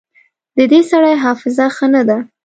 د دې سړي حافظه ښه نه ده